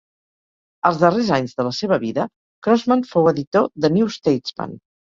Els darrers anys de la seva vida, Crossman fou editor de "New Statesman".